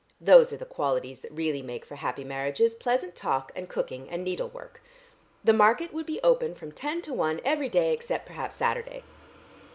Those are the qualities that really make for happy marriages, pleasant talk and cooking and needlework. The market would be open from ten to one every day except perhaps Saturday.